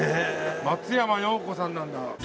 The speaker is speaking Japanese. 松山容子さんなんだ。